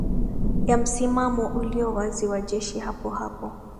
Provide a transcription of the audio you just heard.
ya msimamo ulio wazi wa jeshi Hapo hapo